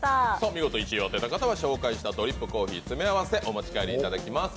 見事１位を当てた方は紹介したドリップコーヒー全てお持ち帰りいただきます。